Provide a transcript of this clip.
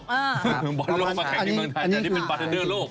บอลโลกมาแข่งในเมืองไทยแต่นี่เป็นบาร์เทนเดอร์โลก